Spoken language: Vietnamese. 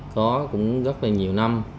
có cũng rất là nhiều năm